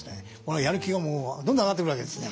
やる気がもうどんどん上がってくるわけですね。